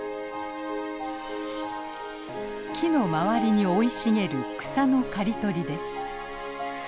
木の周りに生い茂る草の刈り取りです。